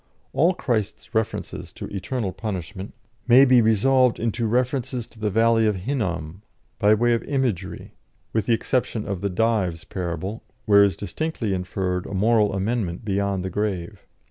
All Christ's references to eternal punishment may be resolved into references to the Valley of Hinnom, by way of imagery; with the exception of the Dives parable, where is distinctly inferred a moral amendment beyond the grave.